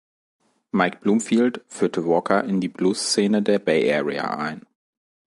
Mike Bloomfield führte Walker in die Blues-Szene der Bay Area ein.